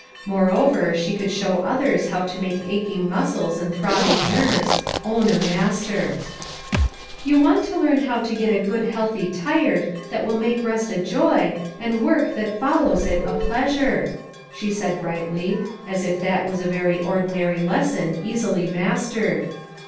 More over she could show others how to make ach ing muscles and throbbing nerves own a mas ter. 11 You want to learn how to get a good healthy 'tired,' that will make rest a joy, and work that follows it a pleasure;" she said brightly, as if that Avas a very ordinary lesson easily mas tered.